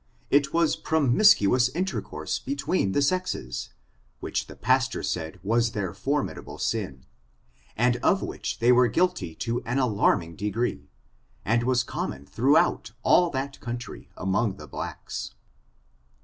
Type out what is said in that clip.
it was promiscuous inter course between the sexes, which the pastor said was their formidable sin, and of which they were guilty to an alarming degree, and was common throughout all that country, among the blacks.